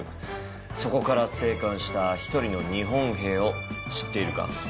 そこから生還した１人の日本兵を知っているか？